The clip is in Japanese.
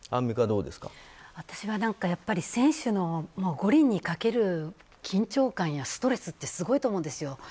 私は選手の五輪にかける緊張感とかストレスってすごいと思うんですよ。